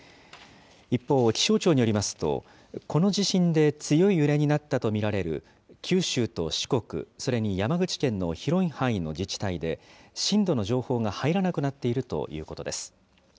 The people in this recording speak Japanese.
一方、気象庁によりますと、この地震で強い揺れになったと見られる九州と四国、それに山口県の広い範囲の自治体で、震度の情報が入らなくなっているということです。